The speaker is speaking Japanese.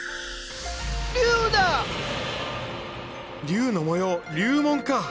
竜の模様「竜紋」か！